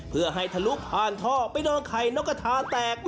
เพื่อให้ทะลุผ่านท่อไปโดนไข่นกกระทาแตก